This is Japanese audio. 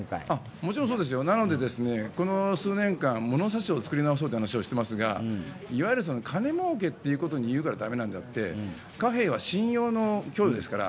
もちろんそうですよ、この数年間、物差しを作り直そうという話をしていますがいわゆる金儲けということを言うから駄目なんであって、貨幣は、信用の供与ですから。